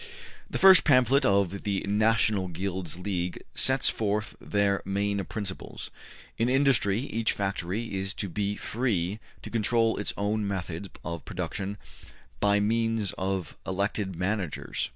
'' The first pamphlet of the ``National Guilds League'' sets forth their main principles. In industry each factory is to be free to control its own methods of production by means of elected managers.